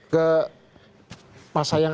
ke masa yang